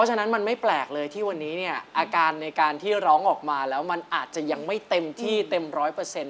ฉันรักตัวไม่ได้รักของฝาก